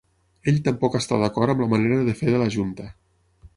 Ell tampoc està d’acord amb la manera de fer de la junta.